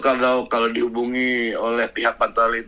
kalau dihubungi oleh pihak patroli